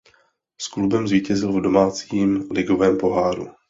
S klubem zvítězil v Domácím ligovém poháru.